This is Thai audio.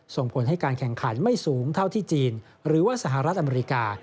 ส่งผลให้การแข่งขันไม่สูงเท่าที่จีนหรือว่าสหรัฐอเมริกา